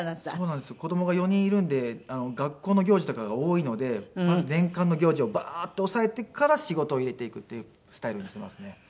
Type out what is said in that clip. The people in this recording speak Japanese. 子供が４人いるんで学校の行事とかが多いのでまず年間の行事をバーッと押さえてから仕事を入れていくっていうスタイルにしていますね。